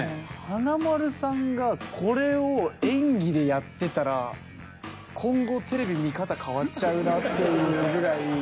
華丸さんがこれを演技でやってたら今後テレビ見方変わっちゃうなっていうぐらい。